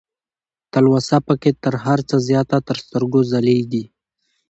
تلوسه پکې تر هر څه زياته تر سترګو ځلېږي